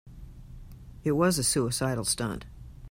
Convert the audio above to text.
It was a suicidal stunt.